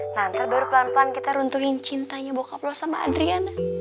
nah ntar baru pelan pelan kita runtuhin cintanya bokoplo sama adriana